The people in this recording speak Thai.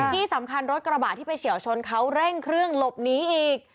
ที่สำคัญรถกระบะที่ไปเฉียวชนเขาเร่งเครื่องหลบหนีอีก